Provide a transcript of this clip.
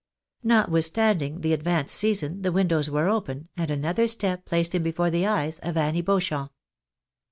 Notwithstanding the advanced season, the windows were open, and another step placed him before the eyes of Annie Beauchamp.